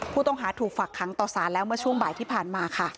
ผู้ต้องหาถูกฝากค้างต่อสารแล้วเมื่อช่วงบ่ายที่ผ่านมาค่ะ